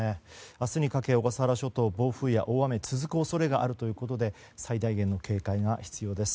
明日にかけ小笠原諸島暴風や大雨続く恐れがあるということで最大限の警戒が必要です。